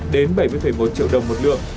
đến bảy mươi một triệu đồng một lượng